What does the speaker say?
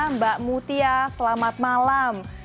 mbak mutia selamat malam